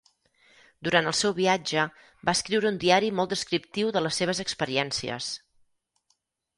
Durant el seu viatge, va escriure un diari molt descriptiu de les seves experiències.